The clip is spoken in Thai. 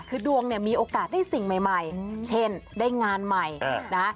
คือดวงเนี่ยมีโอกาสได้สิ่งใหม่เช่นได้งานใหม่นะ